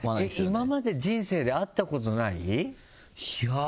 今まで人生で会ったことない？